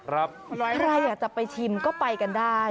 ใครอยากจะไปชิมก็ไปกันได้